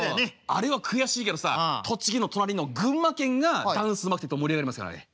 あれは悔しいけどさ栃木の隣の群馬県がダンスうまくて盛り上がりますよあれ。